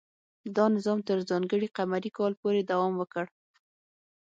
دا نظام تر ځانګړي قمري کال پورې دوام وکړ.